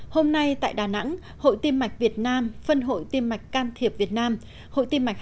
hôm nay tại đà nẵng hội tiêm mạch việt nam phân hội tiêm mạch can thiệp việt nam hội tiêm mạch